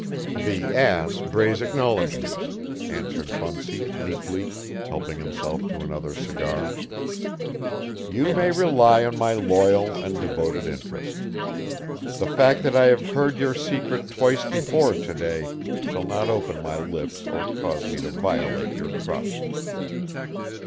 "The ass brays acknowledgments," answered Bunsey meekly, helping himself to another cigar. "You may rely on my loyal and devoted interest. The fact that I have heard your secret twice before to day shall not open my lips or cause me to violate your trust."